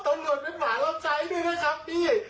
ต้องหน่วงเป็นหมารองใช้ด้วยนะครับพี่